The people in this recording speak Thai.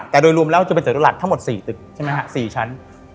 แต่โดยรวมแล้วจะเป็น๔ตึกทั้งหมด๔ชั้น